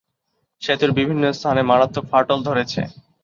সেতুর বিভিন্ন স্থানে মারাত্মক ফাটল ধরেছে।